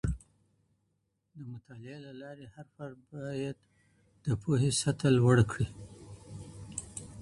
د مطالعې له لارې هر فرد باید د پوهې سطح لوړ کړي.